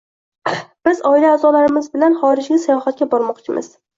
Biz oila a’zolarimiz bilan xorijga sayohatga bormoqchimiz.